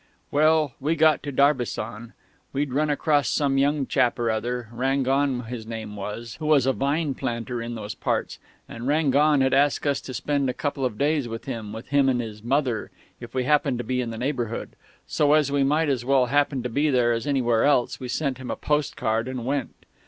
"Well, we got to Darbisson. We'd run across some young chap or other Rangon his name was who was a vine planter in those parts, and Rangon had asked us to spend a couple of days with him, with him and his mother, if we happened to be in the neighbourhood. So as we might as well happen to be there as anywhere else, we sent him a postcard and went.